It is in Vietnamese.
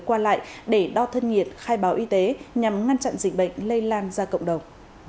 qua lại để đo thân nhiệt khai báo y tế nhằm ngăn chặn dịch bệnh lây lan ra cộng đồng